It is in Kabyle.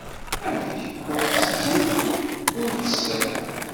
Amek, ur tetten ur tessen?